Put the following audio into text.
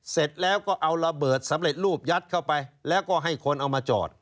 เสร็จแล้วก็เอาระเบิดสำเร็จรูปยัดเข้าไปแล้วก็ให้คนเอามาจอด